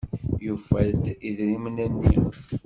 Yufa-d idrimen-nni.